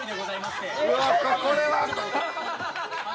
うわこれは。